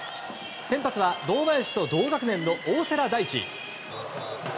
先発は堂林と同学年の大瀬良大地。